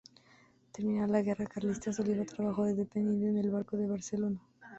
Terminada la guerra carlista, Soliva trabajó de dependiente en el Banco de Barcelona.